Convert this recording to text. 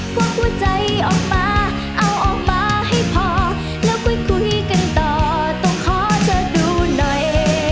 พวกหัวใจออกมาเอาออกมาให้พอแล้วคุยกันต่อต้องขอเธอดูหน่อย